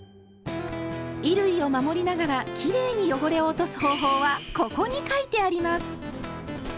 衣類を守りながらきれいに汚れを落とす方法は「ここ」に書いてあります！